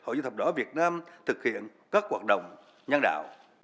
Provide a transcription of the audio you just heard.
hội chữ thập đỏ việt nam thực hiện các hoạt động nhân đạo